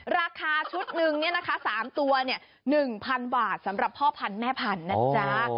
อ๋อราคาชุดนึง๓ตัว๑๐๐๐บาทสำหรับพ่อพันแม่พันนะจ๊ะ